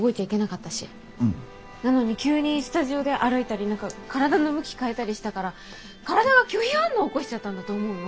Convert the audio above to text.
なのに急にスタジオで歩いたり何か体の向き変えたりしたから体が拒否反応起こしちゃったんだと思うの。